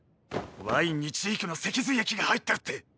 ワインにジークの脊髄液が入ってるって！！